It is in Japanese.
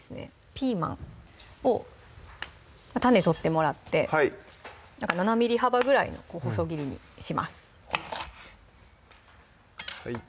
ピーマンを種取ってもらって７ｍｍ幅ぐらいの細切りにします